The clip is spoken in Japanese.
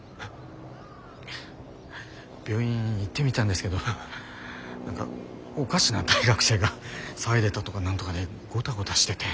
病院行ってみたんですけど何かおかしな大学生が騒いでたとか何とかでゴタゴタしてて。